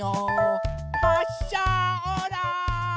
はっしゃオーライ！